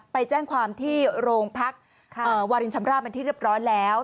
ไปแจ้งความที่โรงพักวารินชำราบเป็นที่เรียบร้อยแล้ว